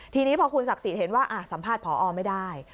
ทีนี้พอคุณศักดิ์สิทธิ์เห็นว่าสัมภาษณ์พอไม่ได้